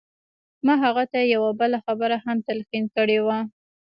ما هغه ته یوه بله خبره هم تلقین کړې وه